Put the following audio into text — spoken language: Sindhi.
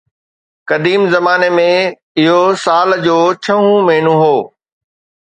قديم زماني ۾ اهو سال جو ڇهون مهينو هو